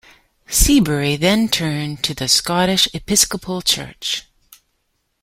Seabury then turned to the Scottish Episcopal Church.